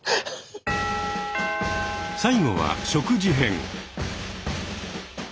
最後は食事編。